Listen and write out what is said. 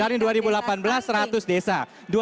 dari dua ribu delapan belas seratus desa